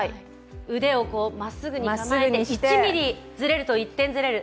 腕をまっすぐに構えて１ｍｍずれると１点ずれる。